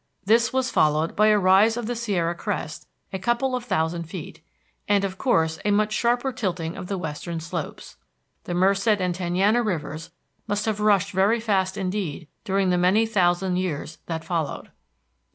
This was followed by a rise of the Sierra Crest a couple of thousand feet, and of course a much sharper tilting of the western slopes. The Merced and Tenaya Rivers must have rushed very fast indeed during the many thousand years that followed.